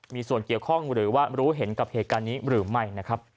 มีส่วนเกี่ยวข้องหรือว่ารู้เห็นกับเหตุการณ์นี้หรือไม่นะครับ